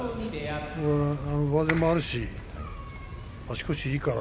上背もあるし足腰がいいから。